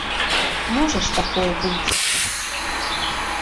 Можа ж такое быць?